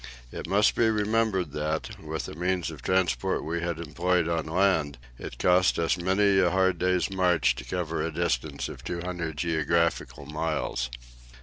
It must be remembered that, with the means of transport we had employed on land, it cost us many a hard day's march to cover a distance of two hundred geographical miles.